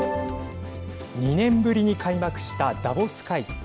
２年ぶりに開幕したダボス会議。